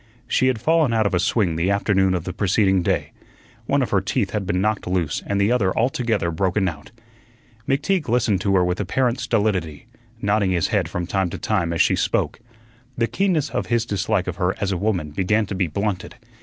She had fallen out of a swing the afternoon of the preceding day; one of her teeth had been knocked loose and the other altogether broken out. McTeague listened to her with apparent stolidity, nodding his head from time to time as she spoke. The keenness of his dislike of her as a woman began to be blunted.